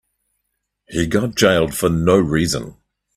He got jailed for no reason.